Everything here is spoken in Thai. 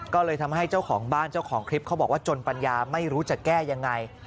ก็เลยทำให้เจ้าของบ้านเจ้าของคลิปเขาบอกว่าจนปัญญาไม่รู้จะแก้ยังไง